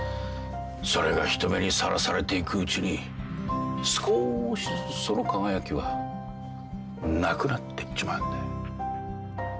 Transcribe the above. それが人目にさらされていくうちに少ーしずつその輝きはなくなってっちまうんだよ。